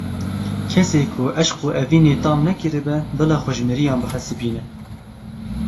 Kesê ku eşq û evînê tam nekiribe, bila xwe ji miriyan bihesibîne.